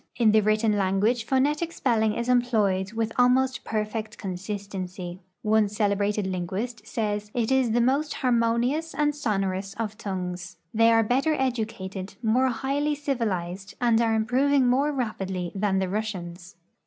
In the written language phonetic spelling is employed with almost perfect consistenc3^ One celebrated linguist says, " it is the most harmonious and sonorous of tongues." The}'' are better educated, more highly civilized, and are improving more rajndly than the Russians.